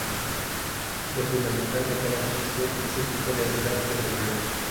Lo fundamental de cada posición es el tipo de ansiedad predominante.